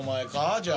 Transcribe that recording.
じゃあ。